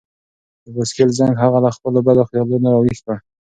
د بایسکل زنګ هغه له خپلو بدو خیالونو راویښ کړ.